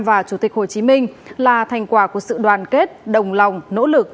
và chủ tịch hồ chí minh là thành quả của sự đoàn kết đồng lòng nỗ lực